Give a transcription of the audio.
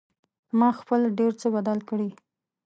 ما خپل ډېر څه بدل کړي